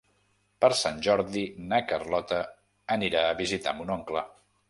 Per Sant Jordi na Carlota anirà a visitar mon oncle.